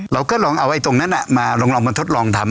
เราก็ลองเอาไอ้ตรงนั้นมาลองมาทดลองทำ